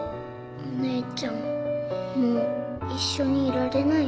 お姉ちゃんもう一緒にいられないの？